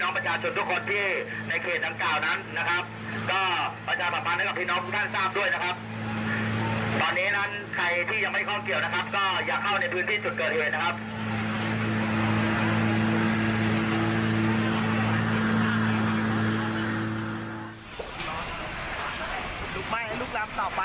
ก็อย่าเข้าในพื้นที่สุดเกิดที่เป็นนะครับ